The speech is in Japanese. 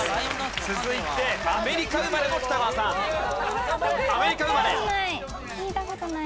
続いてアメリカ生まれの北川さん。わかんない。